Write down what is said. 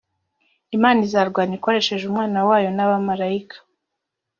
imana izarwana ikoresheje umwana wayo n abamarayika